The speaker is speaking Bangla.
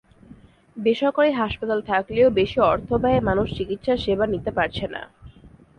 বেসরকারি হাসপাতাল থাকলেও বেশি অর্থ ব্যয়ে মানুষ চিকিৎসাসেবা নিতে পারছে না।